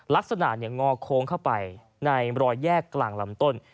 ลักษณะงอโค้งเข้าไปในรอยแยกกลางลำต้น